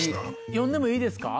読んでもいいですか？